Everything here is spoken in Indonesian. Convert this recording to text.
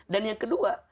dan yang kedua